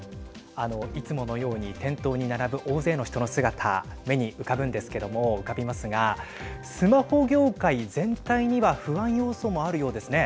いつものように店頭に並ぶ大勢の人の姿目に浮かぶんですけども浮かびますがスマホ業界全体には不安要素もあるようですね。